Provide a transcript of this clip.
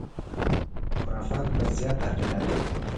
خُرافاتو ته زیاته عقیده لري.